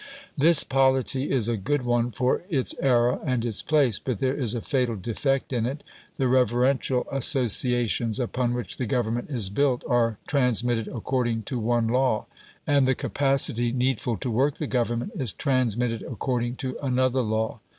This polity is a good one for its era and its place, but there is a fatal defect in it. The reverential associations upon which the government is built are transmitted according to one law, and the capacity needful to work the government is transmitted according to another law.